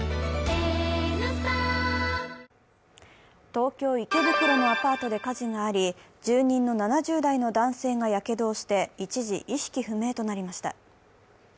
東京・池袋のアパートで火事があり、住人の７０代の男性がやけどをして、一時、意識不明となりました。